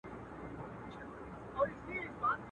پر مزار به مي څراغ د میني بل وي !.